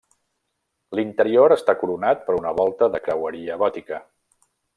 L'interior està coronat per una volta de creueria gòtica.